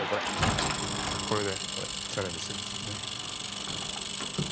これでチャレンジするんですよね。